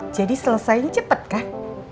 jadi selesainya cepet kah